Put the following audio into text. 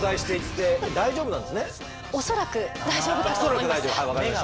恐らく大丈夫だと思います。